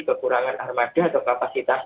kekurangan armada atau kapasitas